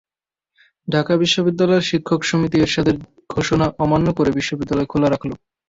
ঢাকা বিশ্ববিদ্যালয়ের শিক্ষক সমিতি এরশাদের ঘোষণা অমান্য করে বিশ্ববিদ্যালয় খোলা রাখল।